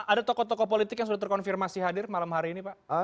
ada tokoh tokoh politik yang sudah terkonfirmasi hadir malam hari ini pak